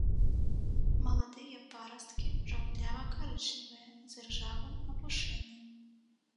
Маладыя парасткі жаўтлява-карычневыя, з іржавым апушэннем.